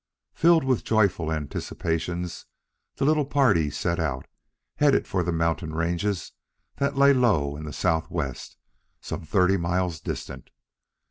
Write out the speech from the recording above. Filled with joyful anticipations the little party set out, headed for the mountain ranges that lay low in the southwest, some thirty miles distant.